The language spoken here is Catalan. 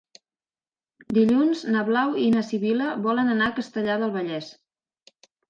Dilluns na Blau i na Sibil·la volen anar a Castellar del Vallès.